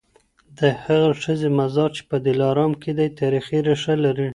د هغه ښځي مزار چي په دلارام کي دی تاریخي ریښه لري.